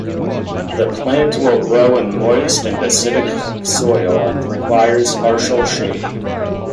The plant will grow in moist and acidic soil and requires partial shade.